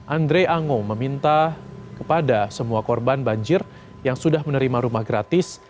andre ango meminta kepada semua korban banjir yang sudah menerima rumah gratis